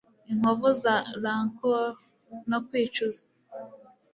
Inkovu za rancor no kwicuza